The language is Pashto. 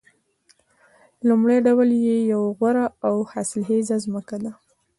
لومړی ډول یې یوه غوره او حاصلخیزه ځمکه ده